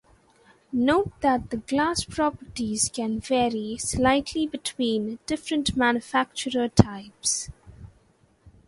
Note that the glass properties can vary slightly between different manufacturer types.